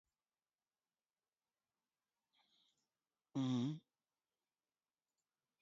أصبت مصائب كنت الشري